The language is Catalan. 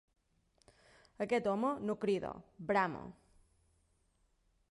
Aquest home no crida, brama.